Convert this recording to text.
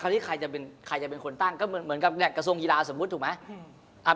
ที่ใครจะเป็นใครจะเป็นคนตั้งก็เหมือนกับกระทรวงกีฬาสมมุติถูกไหม